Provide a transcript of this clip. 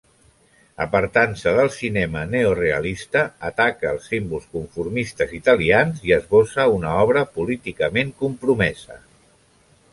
Apartant-se del cinema neorealista, ataca els símbols conformistes italians i esbossa una obra políticament compromesa.